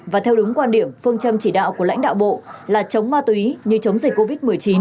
và theo đúng quan điểm phương châm chỉ đạo của lãnh đạo bộ là chống ma túy như chống dịch covid một mươi chín